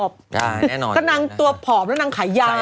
เพราะหนังตัวผอมแล้วถึงไขยาว